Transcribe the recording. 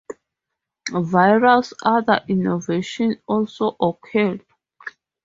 Various other innovations also occurred.